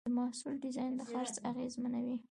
د محصول ډیزاین د خرڅ اغېزمنوي.